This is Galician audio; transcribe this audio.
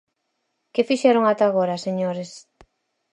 ¿Que fixeron ata agora, señores?